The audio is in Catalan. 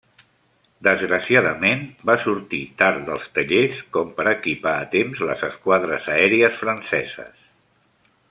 Desgraciadament, va sortir tard dels tallers com per equipar a temps les esquadres aèries franceses.